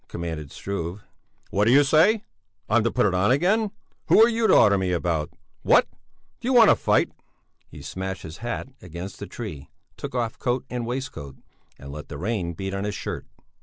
commanded Struve. "What do you say? I'm to put it on again? Who are you to order me about? What? Do you want a fight?" He smashed his hat against the tree, took off coat and waistcoat, and let the rain beat on his shirt.